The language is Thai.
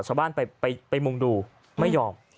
ชาวบ้านไปมุงดูไม่ยอม